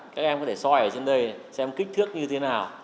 các em có thể soi ở trên đây xem kích thước như thế nào